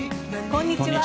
こんにちは。